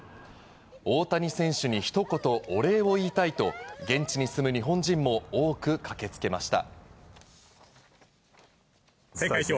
大谷選手にひと言お礼を言いたいと、現地に住む日本人も多く駆けつけました。